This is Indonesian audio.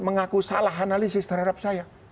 mengaku salah analisis terhadap saya